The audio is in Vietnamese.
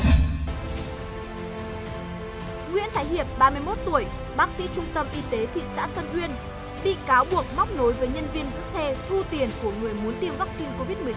nguyễn thái hiệp ba mươi một tuổi bác sĩ trung tâm y tế thị xã tân uyên bị cáo buộc móc nối với nhân viên giữ xe thu tiền của người muốn tiêm vaccine covid một mươi chín